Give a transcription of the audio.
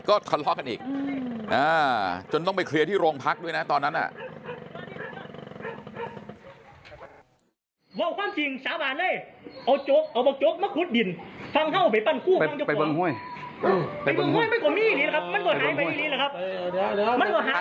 ก็ทะเลาะกันอีกจนต้องไปเคลียร์ที่โรงพักด้วยนะตอนนั้นน่ะ